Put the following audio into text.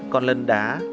còn lần đá